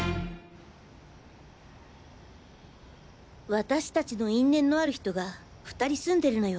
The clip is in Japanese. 私達の因縁のある人が２人住んでるのよ